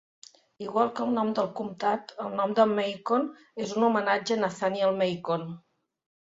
Igual que el nom del comptat, el nom de Macon és un homenatge a Nathaniel Macon.